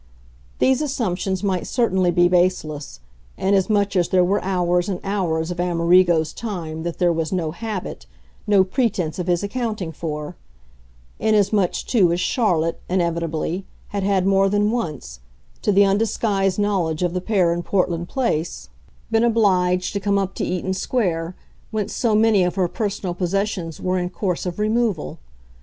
These assumptions might certainly be baseless inasmuch as there were hours and hours of Amerigo's time that there was no habit, no pretence of his accounting for; inasmuch too as Charlotte, inevitably, had had more than once, to the undisguised knowledge of the pair in Portland Place, been obliged to come up to Eaton Square, whence so many of her personal possessions were in course of removal.